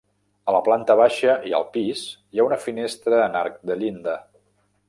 A la planta baixa i al pis, hi ha una finestra en arc de llinda.